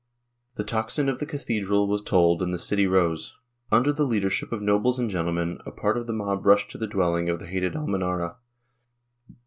The tocsin of the cathedral was tolled and the city rose. Under the leadership of nobles and gentlemen, a part of the mob rushed to the dwelling of the hated Almenara.